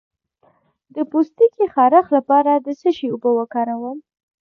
د پوستکي خارښ لپاره د څه شي اوبه وکاروم؟